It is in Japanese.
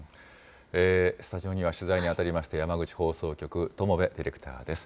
スタジオには取材に当たりました山口放送局、友部ディレクターです。